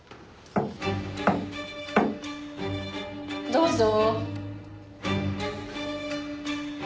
どうぞ。